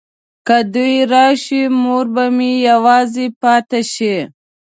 که دوی راشي مور به مې یوازې پاته شي.